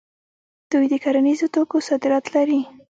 دوی د کرنیزو توکو صادرات لري.